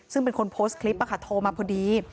ซึ่งเป็นคนโพสต์คลิปโทรมาพอดี